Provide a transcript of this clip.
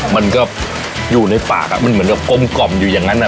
มันก็อยู่ในปากมันเหมือนแบบกลมกล่อมอยู่อย่างนั้น